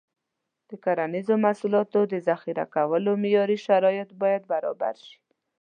د کرنیزو محصولاتو د ذخیره کولو معیاري شرایط باید برابر شي.